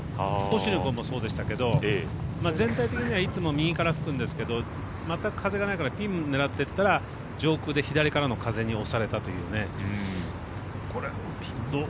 星野君もそうでしたけど全体的にはいつも右から吹くんですけど全く風がないからピン狙ってったら上空で左からの風に押されたというね。